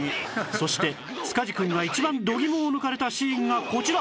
そして塚地くんが一番度肝を抜かれたシーンがこちら